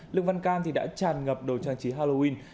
lương văn can đã tràn ngập đồ trang trí halloween